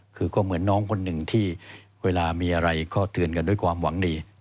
คือก็เหมือนน้องคนหนึ่งที่เวลามีอะไรก็เตือนกันด้วยความหวังดี